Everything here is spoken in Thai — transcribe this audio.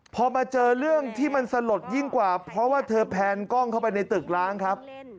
พอมาเจอเรื่องที่มันสลดยิ่งกว่าเพราะว่าเธอแพนกล้องเข้าไปในตึกล้างครับ